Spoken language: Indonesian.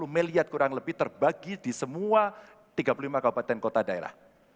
tiga puluh miliar kurang lebih terbagi di semua tiga puluh lima kabupaten kota daerah